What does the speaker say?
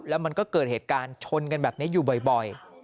แล้วมันก็เกิดเหตุการณ์ชนกันแบบนี้อยู่บ่อย